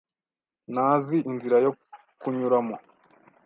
ntazi inzira yo kunyuramo.